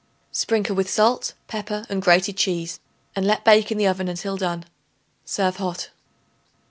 Sprinkle with salt, pepper and grated cheese and let bake in the oven until done. Serve hot.